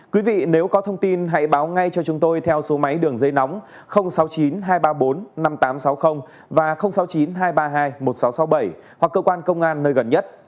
quý vị nếu có thông tin hãy báo ngay cho chúng tôi theo số máy đường dây nóng sáu mươi chín hai trăm ba mươi bốn năm nghìn tám trăm sáu mươi và sáu mươi chín hai trăm ba mươi hai một nghìn sáu trăm sáu mươi bảy hoặc cơ quan công an nơi gần nhất